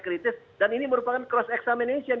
kritis dan ini merupakan cross examination